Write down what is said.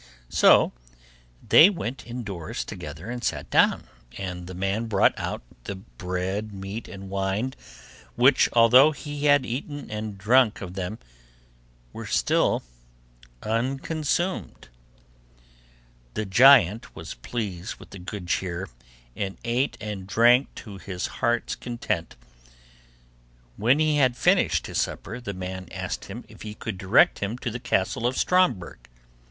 So they went indoors together and sat down, and the man brought out the bread, meat, and wine, which although he had eaten and drunk of them, were still unconsumed. The giant was pleased with the good cheer, and ate and drank to his heart's content. When he had finished his supper the man asked him if he could direct him to the castle of Stromberg.